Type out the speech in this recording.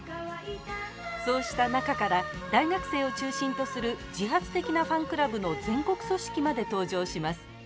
そうした中から大学生を中心とする自発的なファンクラブの全国組織まで登場します。